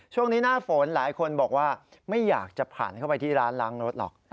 ช่วงนี้หน้าฝนหลายคนบอกว่าไม่อยากจะผ่านเข้าไปที่ร้านล้างรถหรอก